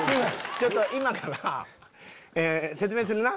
ちょっと今から説明するな。